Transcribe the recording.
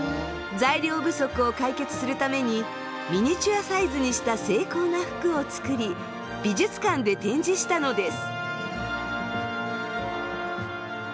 材料不足を解決するためにミニチュアサイズにした精巧な服を作り美術館で展示したのです。